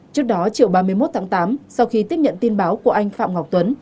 trước đó chiều ba mươi một tháng tám sau khi tiếp nhận tin báo của anh phạm ngọc tuấn